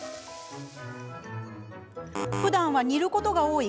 ふだんは煮ることが多い